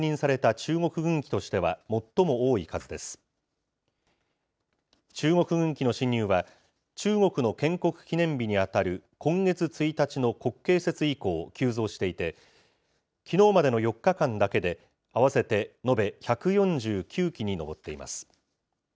中国軍機の進入は、中国の建国記念日に当たる今月１日の国慶節以降、急増していて、きのうまでの４日間だけで、合わせて延べ１４９機に上っています。